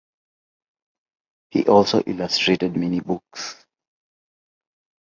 He also illustrated many books.